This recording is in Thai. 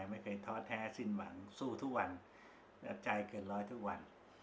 ไม่เคยท้อแท้สิ้นหวังสู้ทุกวันใจเกินร้อยทุกวัน